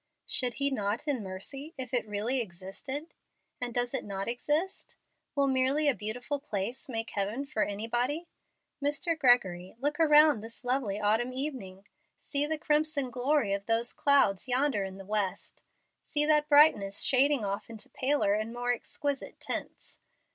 "Should He not in mercy, if it really existed? And does it not exist? Will merely a beautiful place make heaven for anybody? Mr. Gregory, look around this lovely autumn evening. See the crimson glory of those clouds yonder in the west. See that brightness shading off into paler and more exquisite tints.